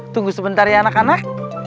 tunggu sebentar ya anak anak